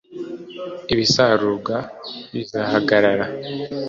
ibisarurwa bizahagarara